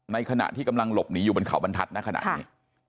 ขณะที่กำลังหลบหนีอยู่บนเขาบรรทัศน์นะขณะนี้